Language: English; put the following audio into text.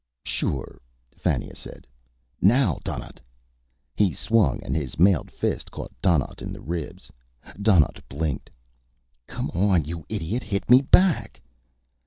"Sure," Fannia said. "Now, Donnaught!" He swung, and his mailed fist caught Donnaught in the ribs. Donnaught blinked. "Come on, you idiot, hit me back."